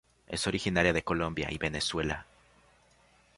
Es originaria de Colombia y Venezuela.